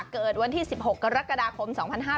เกิดวันที่๑๖กรกฎาคม๒๕๕๙